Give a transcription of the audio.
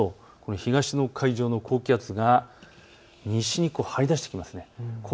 東の海上の高気圧が西に張り出してきます。